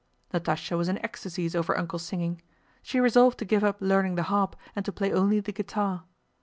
Natásha was in ecstasies over "Uncle's" singing. She resolved to give up learning the harp and to play only the guitar.